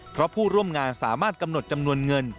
เพราะผู้ร่วมงานสามารถกำหนดจำนวนเงิน